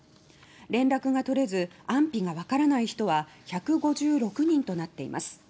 連絡が取れず安否がわからない人は１５６人となっています。